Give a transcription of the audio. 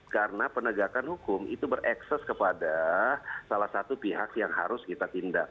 karena penegakan hukum itu berekses kepada salah satu pihak yang harus kita tindak